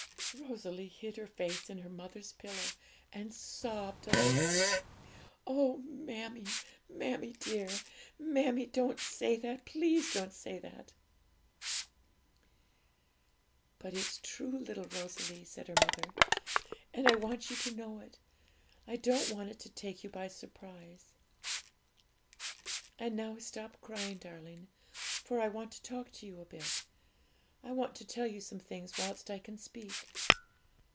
Rosalie hid her face in her mother's pillow and sobbed aloud. 'Oh, mammie, mammie dear! mammie, don't say that! please don't say that!' 'But it's true, little Rosalie,' said her mother; 'and I want you to know it. I don't want it to take you by surprise. And now stop crying, darling, for I want to talk to you a bit; I want to tell you some things whilst I can speak.